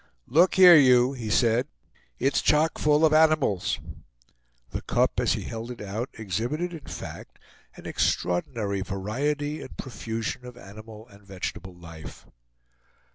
"Look here, you," he said; "it's chock full of animals!" The cup, as he held it out, exhibited in fact an extraordinary variety and profusion of animal and vegetable life.